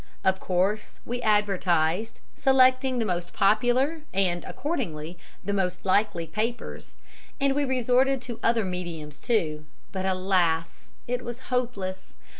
Of course, we advertised, selecting the most popular and, accordingly, the most likely papers, and we resorted to other mediums, too, but, alas! it was hopeless.